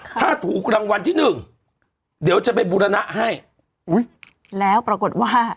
ถ้าถูกรางวัลที่หนึ่งเดี๋ยวจะไปบูรณะให้อุ้ยแล้วปรากฏว่า